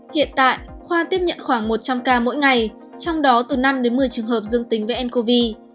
hiện tại khoa tiếp nhận khoảng một trăm linh ca mỗi ngày trong đó từ năm đến một mươi trường hợp dương tính với ncov